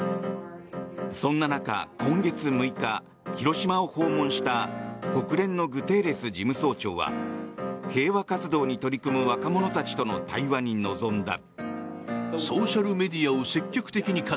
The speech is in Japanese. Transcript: そんな中、今月６日広島を訪問した国連のグテーレス事務総長は平和活動に取り組む若者たちとの対話に臨んだ。